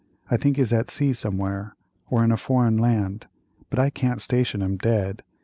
I think he's at sea somewhere, or in a foreign land, but I can't station him dead.